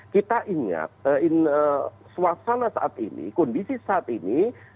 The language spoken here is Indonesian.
kita ingat suasana saat ini kondisi saat ini